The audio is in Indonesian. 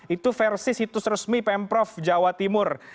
itu versi situs resmi pemprov jawa timur